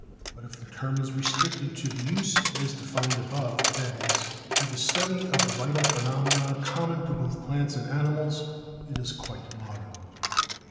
But if the term is restricted to the use as defined above — that is, to the study of the vital phenomena common to both plants and animals — it is quite modern.